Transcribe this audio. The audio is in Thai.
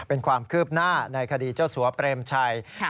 เป็นความคืบหน้าในคดีเจ้าสัวเปรมชัย